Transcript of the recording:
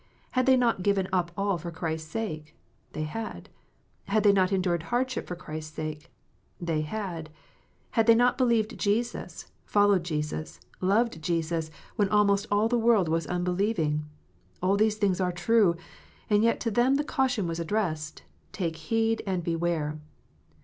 Had they not given up all for Christ s sake ? They had. Had they not endured hardship for Christ s sake 1 They had. Had they not believed Jesus, followed Jesus, loved Jesus, when almost all the world was unbelieving ? All these things are true ; and yet to them the caution was addressed :" Take heed and beware."